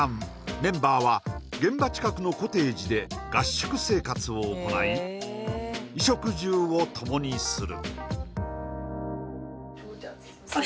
メンバーは現場近くのコテージで合宿生活を行い衣食住をともにする